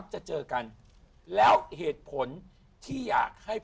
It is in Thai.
กล้าไปทุกที่